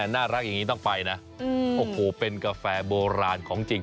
น่ารักอย่างนี้ต้องไปนะโอ้โหเป็นกาแฟโบราณของจริง